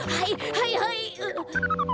はいはい！